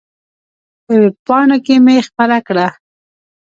په وېب پاڼو کې مې خپره کړه.